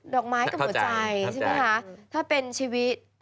ดอกไม้กับหัวใจใช่ไหมคะ